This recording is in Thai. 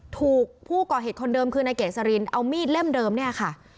ถูกผู้ก่อเหตุคนเดิมคือนายเกษรินเอามีดเล่มเดิมเนี่ยค่ะ